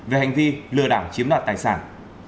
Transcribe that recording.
về hành vi lừa đảo chiếm đoạt tài sản